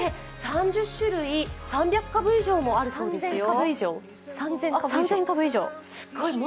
３０種類、３０００株以上もあるそうですよ。